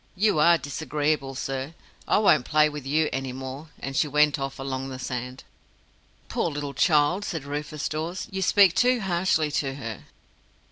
You are disagreeable, sir. I won't play with you any more," and she went off along the sand. "Poor little child," said Rufus Dawes. "You speak too harshly to her."